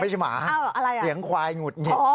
ไม่ใช่หมาเหลียงควายหงุดหงิด